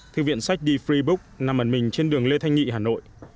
thư viện sách the free book nằm ẩn mình trên đường lê thanh nghị hà nội